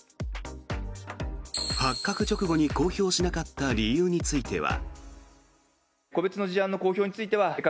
発覚直後に公表しなかった理由については。